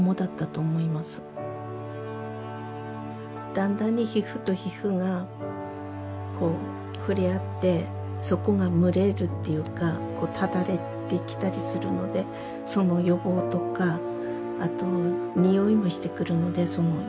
だんだんに皮膚と皮膚がこう触れ合ってそこが蒸れるっていうかこうただれてきたりするのでその予防とかあと臭いもしてくるのでその予防。